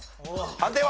判定は？